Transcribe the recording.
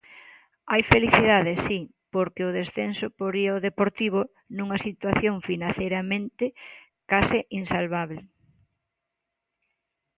Hai felicidade, si, porque o descenso poría o Deportivo nunha situación financeiramente case insalvábel.